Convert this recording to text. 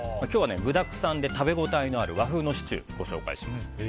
今日は具だくさんで食べ応えのある和風のシチューをご紹介します。